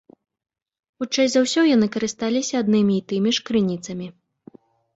Хутчэй за ўсё, яны карысталіся аднымі і тымі ж крыніцамі.